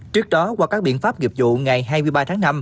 trước đó qua các biện pháp nghiệp vụ ngày hai mươi ba tháng năm